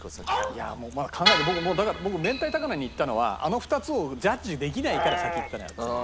いやあまだ考えて僕明太高菜にいったのはあの２つをジャッジできないから先いったのよ。